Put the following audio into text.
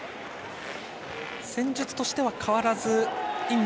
戦術としては変わらず尹夢